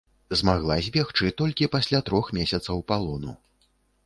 Змагла збегчы толькі пасля трох месяцаў палону.